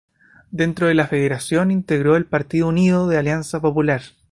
Dentro de la federación integró el Partido Unido de Alianza Popular.